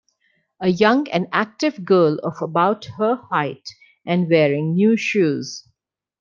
A young and active girl of about her height, and wearing new shoes.